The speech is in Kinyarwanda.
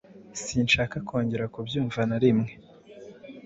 Sinshaka kongera kubyumva na rimwe.